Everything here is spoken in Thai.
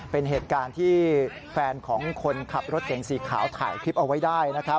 เป็นเหตุการณ์ที่แฟนของคนขับรถเก่งสีขาวถ่ายคลิปเอาไว้ได้นะครับ